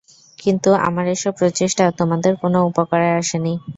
কিন্তু আমার এসব প্রচেষ্টা তোমাদের কোন উপকারে আসেনি।